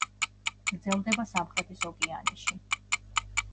გრძელდება სამხრეთის ოკეანეში.